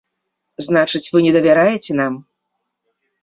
Значыць, вы не давяраеце нам?